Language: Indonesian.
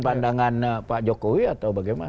pandangan pak jokowi atau bagaimana